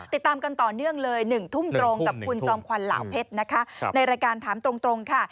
ติดตามกันต่อเนื่องเลย๑ทุ่มตรงกับคุณจอมขวัญเหล่าเพชรนะคะในรายการถามตรงค่ะ